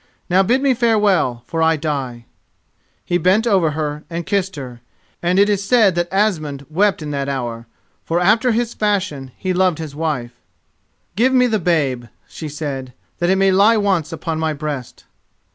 Now bid me farewell, for I die." He bent over her and kissed her, and it is said that Asmund wept in that hour, for after his fashion he loved his wife. "Give me the babe," she said, "that it may lie once upon my breast."